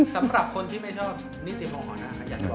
สำหรับคนที่ไม่ชอบนิติภองหอนะ